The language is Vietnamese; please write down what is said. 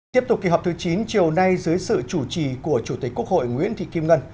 tiếp tục kỳ họp thứ chín chiều nay dưới sự chủ trì của chủ tịch quốc hội nguyễn thị kim ngân